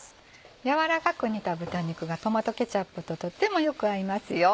軟らかく煮た豚肉がトマトケチャップととってもよく合いますよ。